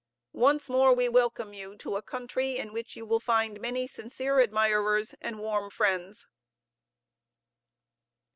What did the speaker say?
"Once more we welcome you to a country in which you will find many sincere admirers and warm friends."